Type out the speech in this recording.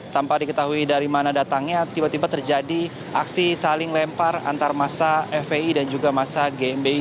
tanpa diketahui dari mana datangnya tiba tiba terjadi aksi saling lempar antar masa fpi dan juga masa gmbi